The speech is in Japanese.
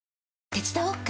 手伝おっか？